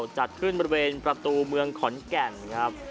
จัดขึ้นบริเวณประตูเมืองขอนแก่นครับ